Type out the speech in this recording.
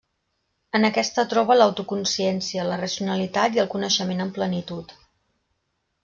En aquesta troba l'autoconsciència, la racionalitat i el coneixement en plenitud.